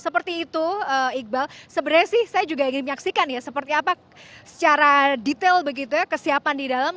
seperti itu iqbal sebenarnya sih saya juga ingin menyaksikan ya seperti apa secara detail begitu ya kesiapan di dalam